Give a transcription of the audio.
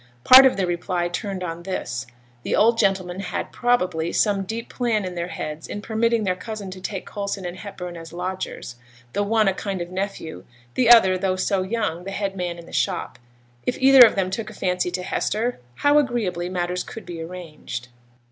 Part of the reply turned on this: the old gentlemen had, probably, some deep plan in their heads in permitting their cousin to take Coulson and Hepburn as lodgers, the one a kind of nephew, the other, though so young, the head man in the shop; if either of them took a fancy to Hester, how agreeably matters could be arranged!